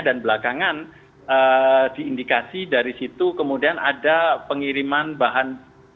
dan belakangan diindikasi dari situ kemudian ada pengiriman bahan